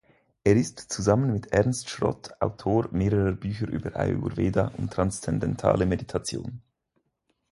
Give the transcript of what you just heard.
Er ist zusammen mit Ernst Schrott Autor mehrerer Bücher über Ayurveda und Transzendentale Meditation.